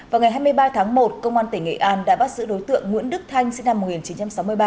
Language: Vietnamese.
vào ngày hai mươi ba tháng một công an tỉnh nghệ an đã bắt giữ đối tượng nguyễn đức thanh sinh năm một nghìn chín trăm sáu mươi ba